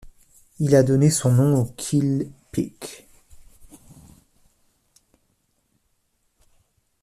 Il a donné son nom au Keele Peak.